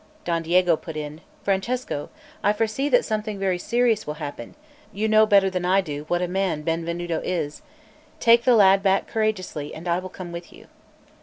Don Diego put in: "Francesco, I foresee that something very serious will happen; you know better than I do what a man Benvenuto is; take the lad back courageously, and I will come with you."